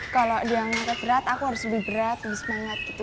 kalau dia market berat aku harus lebih berat lebih semangat gitu